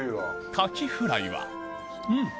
カキフライはうん！